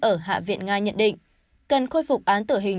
ở hạ viện nga nhận định cần khôi phục án tử hình